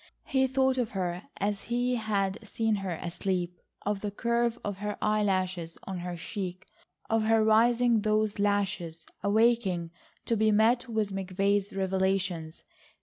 He thought of her as he had seen her asleep, of the curve of her eye lashes on her cheek, of her raising those lashes, awaking to be met with McVay's revelations.